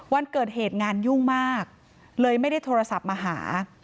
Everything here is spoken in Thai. วันเกิดเหตุงานยุ่งมากเลยไม่ได้โทรศัพท์มาหา